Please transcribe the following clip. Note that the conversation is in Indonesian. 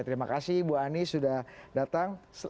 terima kasih bu anies sudah datang